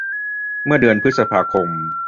เมื่อเดีอนพฤษภาคม